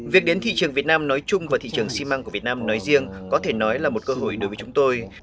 việc đến thị trường việt nam nói chung và thị trường xi măng của việt nam nói riêng có thể nói là một cơ hội đối với chúng tôi